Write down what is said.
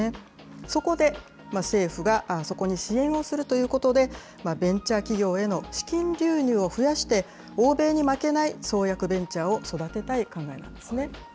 そこで、政府がそこに支援をするということで、ベンチャー企業への資金流入を増やして、欧米に負けない創薬ベンチャーを育てたい考えなんですね。